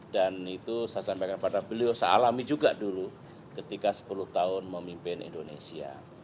dan itu saya sampaikan pada beliau sealami juga dulu ketika sepuluh tahun memimpin indonesia